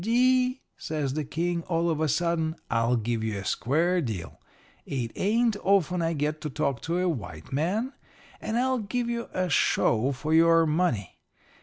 "'W. D.,' says the King, all of a sudden, 'I'll give you a square deal. It ain't often I get to talk to a white man, and I'll give you a show for your money.